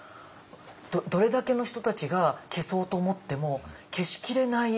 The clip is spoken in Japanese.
どれだけの人たちが消そうと思っても消しきれない。